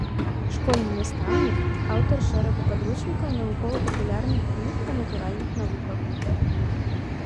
Школьны настаўнік, аўтар шэрагу падручнікаў і навукова-папулярных кніг па натуральных навуках.